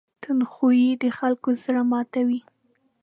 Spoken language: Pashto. تند خوی د خلکو زړه ماتوي.